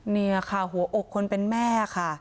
นี่ค่ะหัวอกคนเป็นแม่ค่ะ